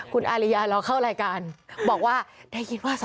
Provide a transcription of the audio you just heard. คุณอาริยารอเข้ารายการบอกว่าได้คิดว่า